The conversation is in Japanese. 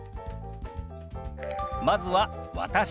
まずは「私」。